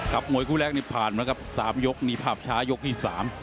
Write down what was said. มวยคู่แรกนี่ผ่านมาครับ๓ยกนี่ภาพช้ายกที่๓